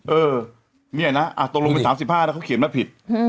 เออนี่นะตรงรวมเป็น๓๕นะเขาเขียนมาผิด